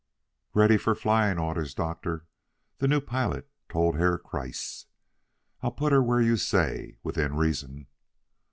"Ready for flying orders, Doctor," the new pilot told Herr Kreiss. "I'll put her where you say within reason."